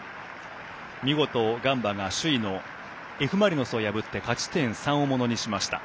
見事ガンバが首位のＦ・マリノスを破って勝ち点３をものにしました。